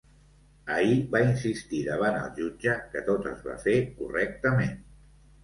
Ahir va insistir davant el jutge que tot es va fer correctament.